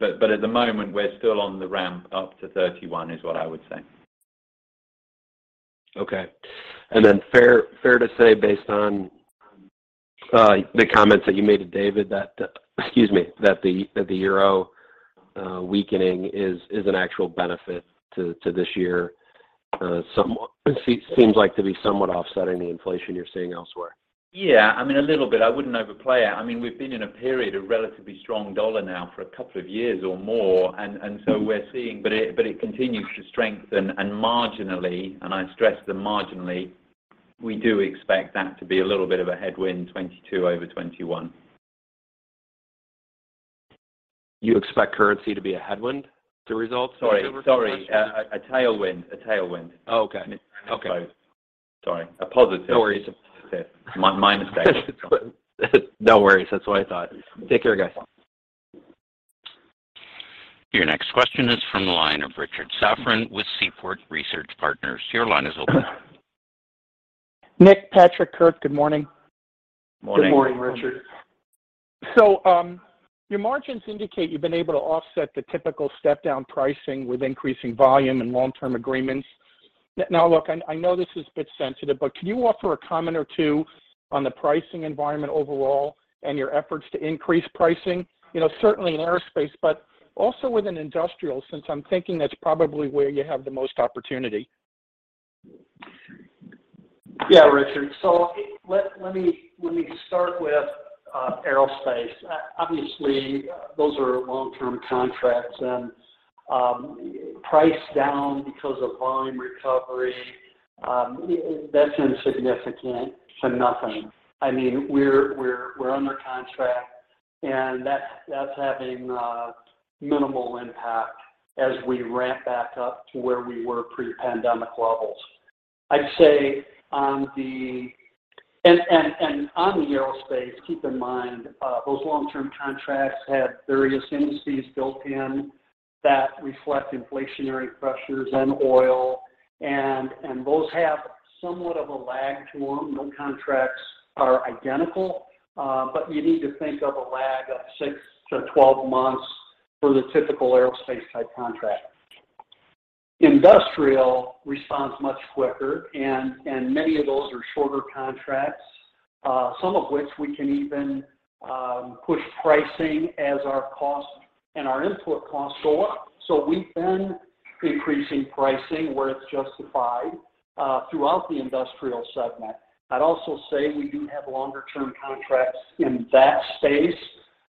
At the moment, we're still on the ramp up to 31 is what I would say. Okay. Fair to say, based on the comments that you made to David, that the euro weakening is an actual benefit to this year, somewhat. Seems like to be somewhat offsetting the inflation you're seeing elsewhere. Yeah. I mean, a little bit. I wouldn't overplay it. I mean, we've been in a period of relatively strong dollar now for a couple of years or more, and so we're seeing. But it continues to strengthen. Marginally, and I stress the marginally, we do expect that to be a little bit of a headwind 2022 over 2021. You expect currency to be a headwind to results. Sorry. A tailwind. Oh, okay. Okay. Sorry. No worries. My mistake. No worries. That's what I thought. Take care, guys. Your next question is from the line of Richard Safran with Seaport Research Partners. Your line is open. Nick, Patrick, Kurt, good morning. Morning. Good morning, Richard. Your margins indicate you've been able to offset the typical step-down pricing with increasing volume and long-term agreements. Now look, I know this is a bit sensitive, but can you offer a comment or 2 on the pricing environment overall and your efforts to increase pricing? You know, certainly in aerospace, but also within industrial, since I'm thinking that's probably where you have the most opportunity. Yeah, Richard. Let me start with aerospace. Obviously, those are long-term contracts, and price down because of volume recovery, that's insignificant to nothing. I mean, we're under contract, and that's having minimal impact as we ramp back up to where we were pre-pandemic levels. I'd say on the aerospace, keep in mind those long-term contracts have various indices built in that reflect inflationary pressures and oil, and those have somewhat of a lag to them. No contracts are identical, but you need to think of a lag of 6-12 months for the typical aerospace type contract. Industrial responds much quicker, and many of those are shorter contracts, some of which we can even push pricing as our costs and our input costs go up. We've been increasing pricing where it's justified throughout the industrial segment. I'd also say we do have longer term contracts in that space,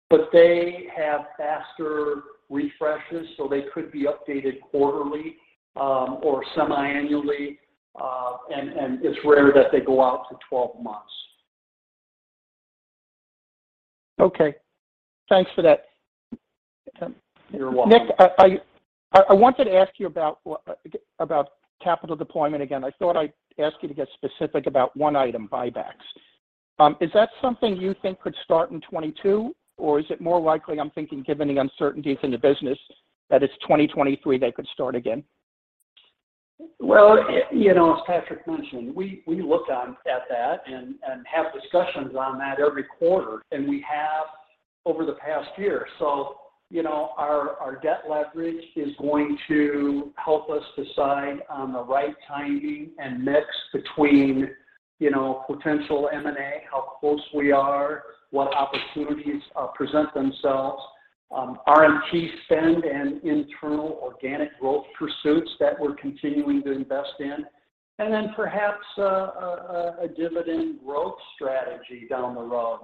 but they have faster refreshes, so they could be updated quarterly or semi-annually. It's rare that they go out to 12 months. Okay. Thanks for that. You're welcome. Nick, I wanted to ask you about capital deployment again. I thought I'd ask you to get specific about one item, buybacks. Is that something you think could start in 2022, or is it more likely, I'm thinking, given the uncertainties in the business, that it's 2023 they could start again? Well, you know, as Patrick mentioned, we look at that and have discussions on that every quarter, and we have over the past year. You know, our debt leverage is going to help us decide on the right timing and mix between, you know, potential M&A, how close we are, what opportunities present themselves. R&T spend and internal organic growth pursuits that we're continuing to invest in. And then perhaps, a dividend growth strategy down the road.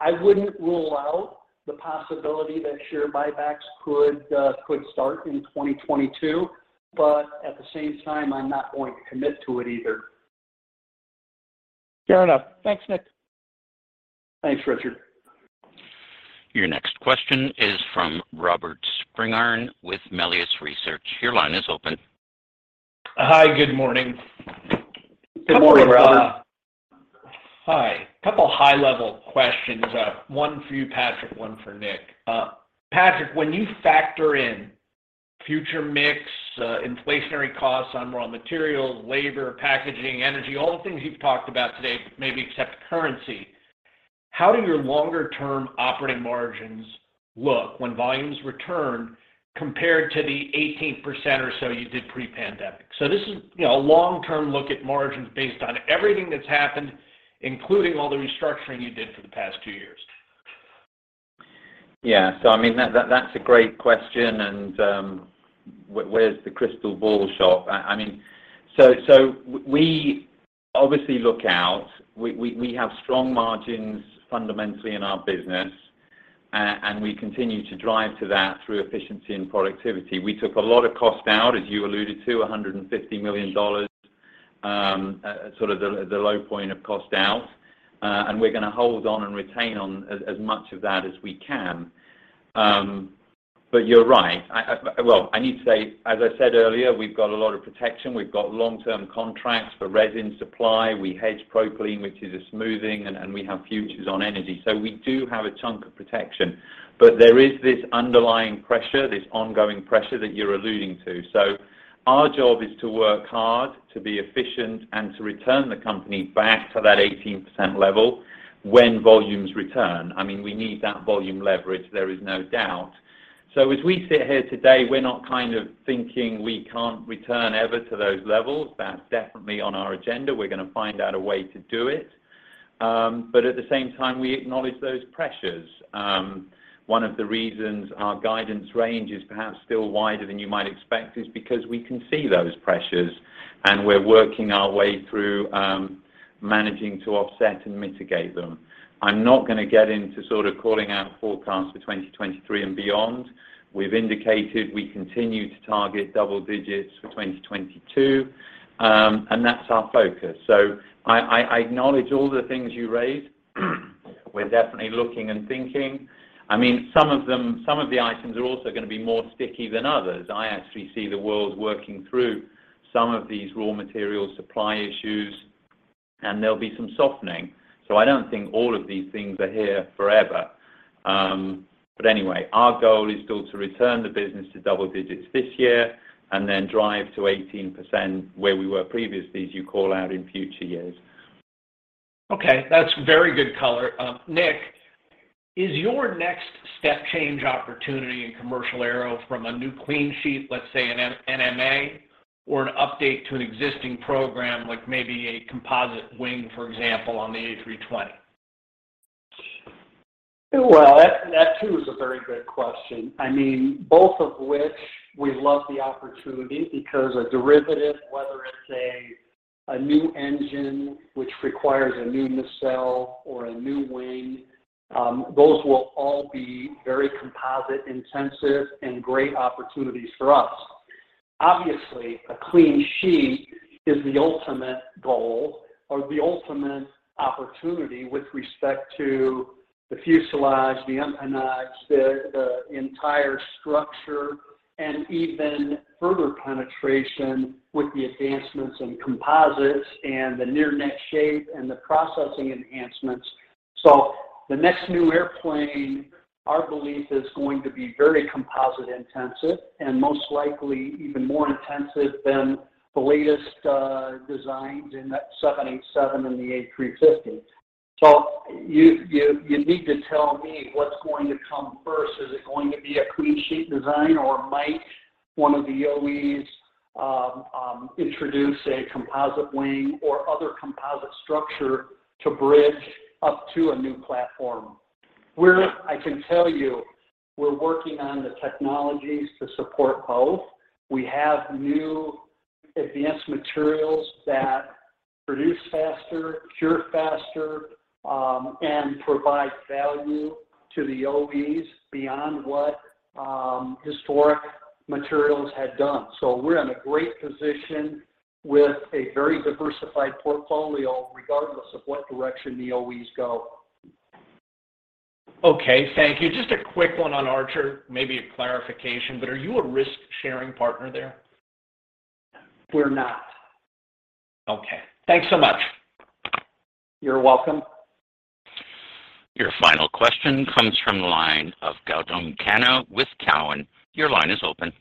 I wouldn't rule out the possibility that share buybacks could start in 2022, but at the same time, I'm not going to commit to it either. Fair enough. Thanks, Nick. Thanks, Richard. Your next question is from Robert Spingarn with Melius Research. Your line is open. Hi, good morning. Good morning, Robert. Hi. A couple high-level questions. One for you, Patrick, one for Nick. Patrick, when you factor in future mix, inflationary costs on raw materials, labor, packaging, energy, all the things you've talked about today, maybe except currency, how do your longer term operating margins look when volumes return compared to the 18% or so you did pre-pandemic? This is, you know, a long-term look at margins based on everything that's happened, including all the restructuring you did for the past 2 years. That's a great question and where's the crystal ball shop? I mean, we obviously look out. We have strong margins fundamentally in our business, and we continue to drive to that through efficiency and productivity. We took a lot of cost out, as you alluded to, $150 million, sort of the low point of cost out, and we're gonna hold on and retain as much of that as we can. You're right. Well, I need to say, as I said earlier, we've got a lot of protection. We've got long-term contracts for resin supply. We hedge propylene, which is a smoothing, and we have futures on energy. We do have a chunk of protection. There is this underlying pressure, this ongoing pressure that you're alluding to. Our job is to work hard, to be efficient, and to return the company back to that 18% level when volumes return. I mean, we need that volume leverage, there is no doubt. As we sit here today, we're not kind of thinking we can't return ever to those levels. That's definitely on our agenda. We're gonna find out a way to do it. At the same time, we acknowledge those pressures. One of the reasons our guidance range is perhaps still wider than you might expect is because we can see those pressures, and we're working our way through, managing to offset and mitigate them. I'm not gonna get into sort of calling out forecasts for 2023 and beyond. We've indicated we continue to target double digits for 2022, and that's our focus. I acknowledge all the things you raised. We're definitely looking and thinking. I mean, some of the items are also gonna be more sticky than others. I actually see the world working through some of these raw material supply issues, and there'll be some softening. I don't think all of these things are here forever. Anyway, our goal is still to return the business to double digits this year and then drive to 18% where we were previously, as you call out, in future years. Okay, that's very good color. Nick, is your next step change opportunity in commercial aero from a new clean sheet, let's say an NMA or an update to an existing program, like maybe a composite wing, for example, on the A320? Well, that too is a very good question. I mean, both of which we love the opportunity because a derivative, whether it's a new engine which requires a new nacelle or a new wing, those will all be very composite-intensive and great opportunities for us. Obviously, a clean sheet is the ultimate goal or the ultimate opportunity with respect to the fuselage, the empennage, the entire structure, and even further penetration with the advancements in composites and the near net shape and the processing enhancements. The next new airplane, our belief, is going to be very composite intensive and most likely even more intensive than the latest designs in that 787 and the A350. You need to tell me what's going to come first. Is it going to be a clean sheet design or might one of the OEs, introduce a composite wing or other composite structure to bridge up to a new platform? I can tell you, we're working on the technologies to support both. We have new advanced materials that produce faster, cure faster, and provide value to the OEs beyond what, historic materials had done. We're in a great position with a very diversified portfolio, regardless of what direction the OEs go. Okay. Thank you. Just a quick one on Archer, maybe a clarification, but are you a risk-sharing partner there? We're not. Okay. Thanks so much. You're welcome. Your final question comes from the line of Gautam Khanna with Cowen. Your line is open.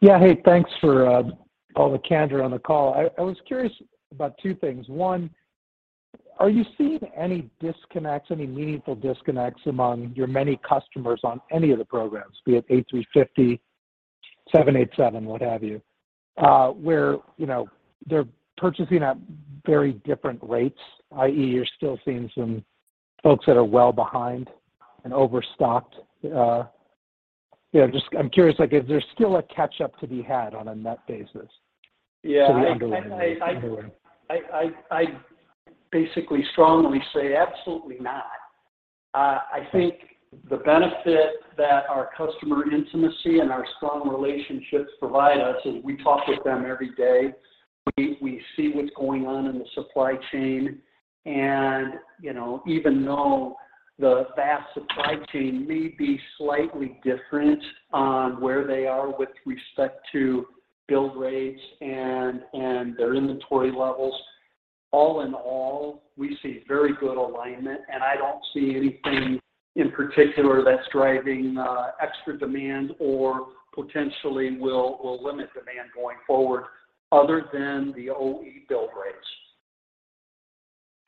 Yeah. Hey, thanks for all the candor on the call. I was curious about 2 things. One, are you seeing any disconnects, any meaningful disconnects among your many customers on any of the programs, be it A350, 787, what have you, where, you know, they're purchasing at very different rates, i.e., you're still seeing some folks that are well behind and overstocked? You know, just I'm curious, like, is there still a catch-up to be had on a net basis? Yeah. I basically strongly say absolutely not. I think the benefit that our customer intimacy and our strong relationships provide us is we talk with them every day. We see what's going on in the supply chain. You know, even though the OEM supply chain may be slightly different on where they are with respect to build rates and their inventory levels, all in all, we see very good alignment, and I don't see anything in particular that's driving extra demand or potentially will limit demand going forward other than the OE build rates.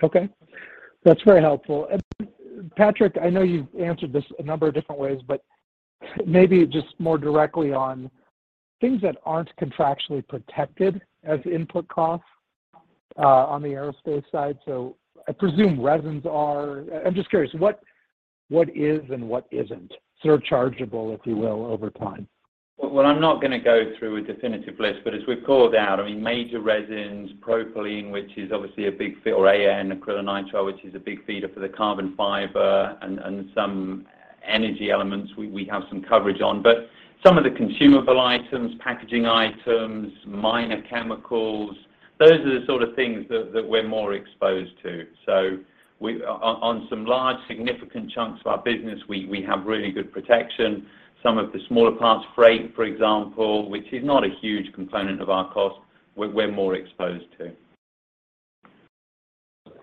Okay. That's very helpful. Patrick, I know you've answered this a number of different ways, but maybe just more directly on things that aren't contractually protected as input costs, on the aerospace side. I presume resins are. I'm just curious, what is and what isn't surchargeable, if you will, over time? Well, I'm not gonna go through a definitive list, but as we've called out, I mean, major resins, propylene, which is obviously a big feeder, or AN, acrylonitrile, which is a big feeder for the carbon fiber and some energy elements we have some coverage on. Some of the consumable items, packaging items, minor chemicals, those are the sort of things that we're more exposed to. On some large significant chunks of our business, we have really good protection. Some of the smaller parts, freight, for example, which is not a huge component of our cost, we're more exposed to.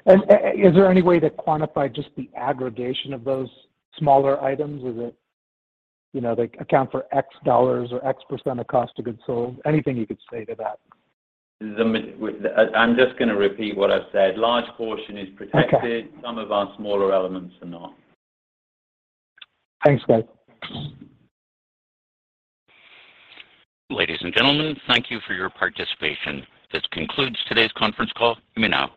Is there any way to quantify just the aggregation of those smaller items? Is it, you know, they account for X dollars or X percent of cost of goods sold? Anything you could say to that. I'm just gonna repeat what I've said. Okay. Large portion is protected. Some of our smaller elements are not. Thanks, guys. Ladies and gentlemen, thank you for your participation. This concludes today's conference call. You may now disconnect.